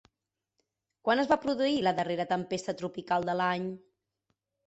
Quan es va produir la darrera tempesta tropical de l'any?